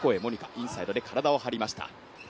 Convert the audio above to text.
インサイドで体を張りました。